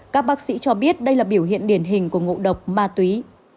các bác sĩ cho biết đây là biểu hiện điển hình của ngộ độc ma túy